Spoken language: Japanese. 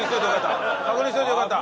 確認しておいてよかった。